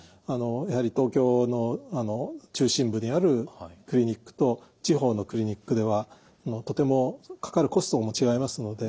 やはり東京の中心部にあるクリニックと地方のクリニックではとてもかかるコストも違いますので。